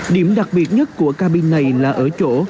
điểm đặc biệt nhất của cabin này là ở chỗ